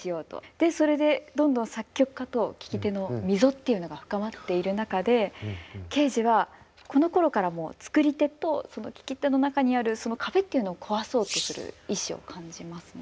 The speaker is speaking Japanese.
でそれでどんどん作曲家と聴き手の溝っていうのが深まっている中でケージはこのころからもうつくり手とその聴き手の中にあるその壁っていうのを壊そうとする意志を感じますね。